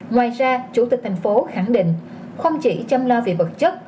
ngoài ra chủ tịch thành phố khẳng định không chỉ chăm lo về vật chất